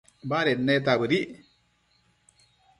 baded neta bëdic